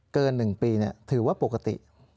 เกินหนึ่งปีนี่ถือว่าปกติ